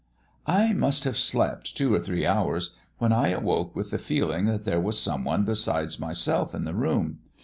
"I must have slept two or three hours when I awoke with the feeling that there was someone besides myself in the room.